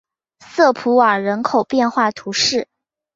瑟普瓦人口变化图示